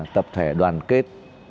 tập thể đoàn kết